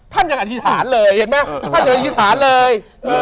ท่านยังอธิษฐานเลยเห็นไหมท่านยังอธิษฐานเลย